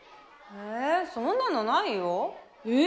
えそんなのないよ。え？